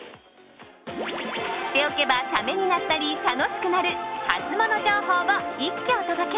知っておけばためになったり楽しくなるハツモノ情報を一挙お届け！